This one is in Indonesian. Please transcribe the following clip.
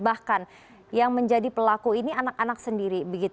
bahkan yang menjadi pelaku ini anak anak sendiri